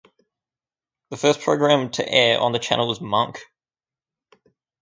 The first program to air on the channel was Monk.